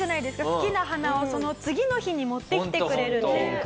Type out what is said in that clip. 好きな花をその次の日に持ってきてくれるっていう。